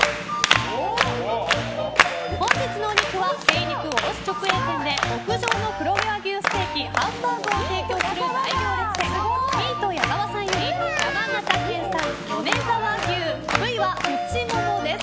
本日のお肉は精肉卸直営店で極上の黒毛和牛ステーキハンバーグを提供する大行列店ミート矢澤さんより山形県産米沢牛部位は内モモです。